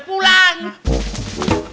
malu malu angkat ya